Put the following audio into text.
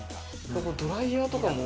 ドライヤーとかも。